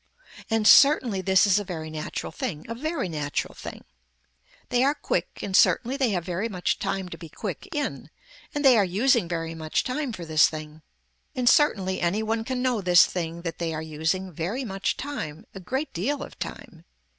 And certainly this is a very natural thing, a very natural thing. They are quick and certainly they have very much time to be quick in, and they are using very much time for this thing. And certainly any one can know this thing that they are using very much time, a great deal of time.